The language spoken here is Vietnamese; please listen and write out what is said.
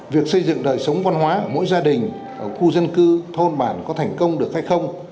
việc xây dựng đời sống văn hóa mỗi gia đình ở khu dân cư thôn bản có thành công được hay không